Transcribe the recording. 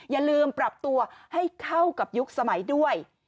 อย่าลืมปรับตัวให้เข้ากับยุคสมัยด้วย